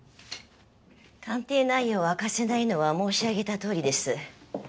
鑑定内容を明かせないのは申し上げたとおりです。